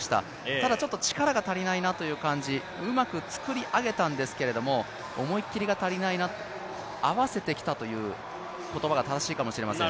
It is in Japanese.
ただちょっと力が足りないなという感じ、うまく作り上げたんですけれども思い切りが足りないな、合わせてきたという言葉が正しいかもしれません。